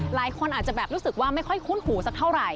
หลายคนอาจจะแบบรู้สึกว่าไม่ค่อยคุ้นหูสักเท่าไหร่